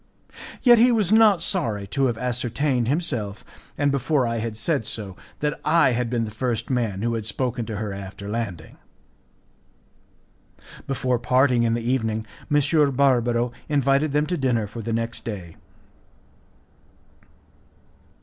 Yet he was not sorry to have ascertained himself, and before I had said so, that I had been the first man who had spoken to her after landing. Before parting in the evening, M. Barbaro invited them to dinner for the next day.